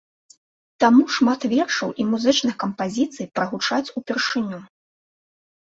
Таму шмат вершаў і музычных кампазіцый прагучаць упершыню.